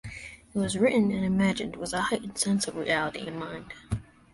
It was written and imagined with a heightened sense of reality in mind.